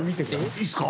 いいっすか。